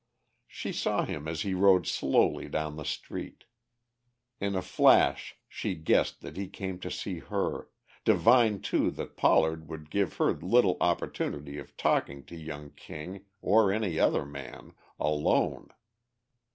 She saw him as he rode slowly down the street. In a flash she guessed that he came to see her, divined too that Pollard would give her little opportunity of talking to young King or any other man, alone.